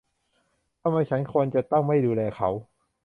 ทำไมฉันควรจะต้องไม่ดูแลเขา ?